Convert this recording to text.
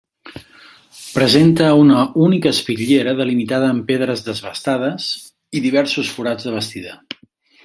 Presenta una única espitllera delimitada amb pedres desbastades, i diversos forats de bastida.